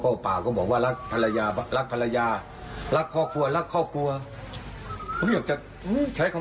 เออพูดแบบนี้หนูเป็นท่านผู้ชมขา